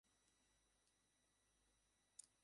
শহরের পুরানো অংশে একটা চমৎকার পিৎজার দোকান চিনি আমি।